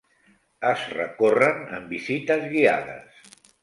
Es recorren en visites guiades.